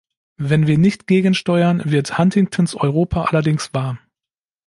Wenn wir nicht gegensteuern, wird Huntingtons Europa allerdings wahr.